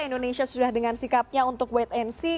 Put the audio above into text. indonesia sudah dengan sikapnya untuk wait and see